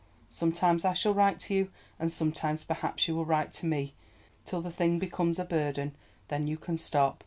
Sometimes I shall write to you, and sometimes perhaps you will write to me, till the thing becomes a burden, then you can stop.